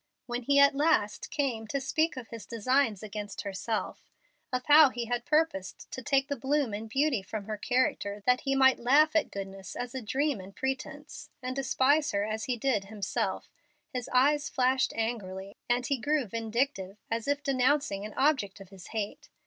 When he at last came to speak of his designs against herself, of how he had purposed to take the bloom and beauty from her character that he might laugh at goodness as a dream and pretence, and despise her as he did himself, his eye flashed angrily, and he grew vindictive as if denouncing an object of his hate.